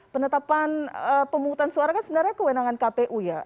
penetapan pemungutan suara kan sebenarnya kewenangan kpu ya